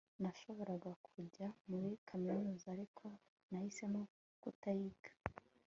Nashoboraga kujya muri kaminuza ariko nahisemo kutayiga